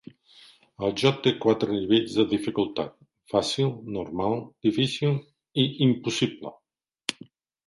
El joc té quatre nivells de dificultat: fàcil, normal, difícil i impossible.